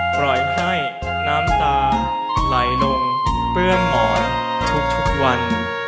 ปล่อยให้น้ำตาไหลลงเปื้องหมอนทุกวัน